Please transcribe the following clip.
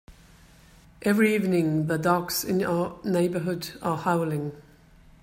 Every evening, the dogs in our neighbourhood are howling.